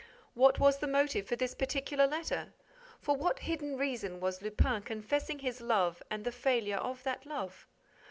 What was the motive for this particular letter? For what hidden reason was Lupin confessing his love and the failure of that love?